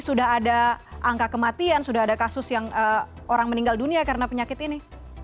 sudah ada angka kematian sudah ada kasus yang orang meninggal dunia karena penyakit ini